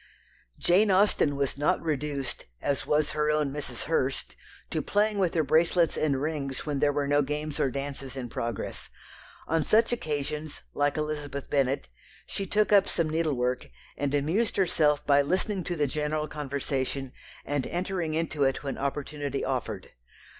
Jane Austen was not reduced, as was her own Mrs. Hurst, to playing with her bracelets and rings when there were no games or dances in progress. On such occasions, like Elizabeth Bennet, she took up some needlework, and amused herself by listening to the general conversation, and entering into it when opportunity offered.